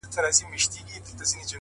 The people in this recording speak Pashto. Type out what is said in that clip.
o هغې ويله ځمه د سنگسار مخه يې نيسم ـ